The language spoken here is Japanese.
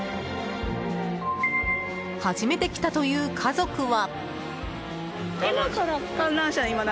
初めて来たという家族は。